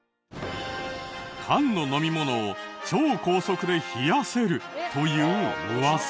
缶の飲み物を超高速で冷やせるというウワサ。